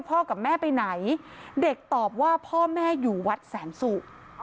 กับแม่ไปไหนเด็กตอบว่าพ่อแม่อยู่วัดแสนสุก